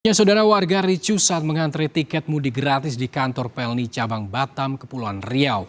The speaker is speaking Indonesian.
ya saudara warga ricu saat mengantri tiket mudik gratis di kantor pelni cabang batam kepulauan riau